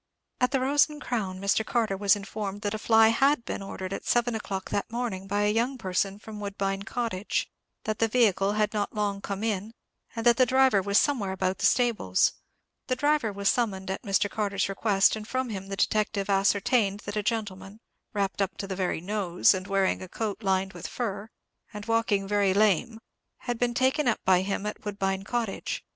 At the Rose and Crown Mr. Carter was informed that a fly had been ordered at seven o'clock that morning by a young person from Woodbine Cottage; that the vehicle had not long come in, and that the driver was somewhere about the stables. The driver was summoned at Mr. Carter's request, and from him the detective ascertained that a gentleman, wrapped up to the very nose, and wearing a coat lined with fur, and walking very lame, had been taken up by him at Woodbine Cottage.